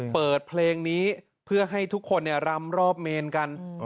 เปิดเพลงนี้เพื่อให้ทุกคนรำรอบเมนกัน